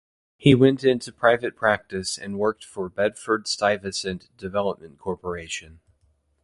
He went into private practice and worked for Bedford Stuyvesant Development Corporation.